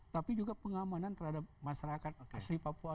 tapi juga pengamanan terhadap masyarakat asli papua